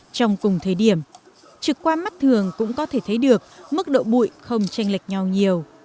trong cùng thời điểm trực qua mắt thường cũng có thể thấy được mức độ bụi không tranh lệch nhau nhiều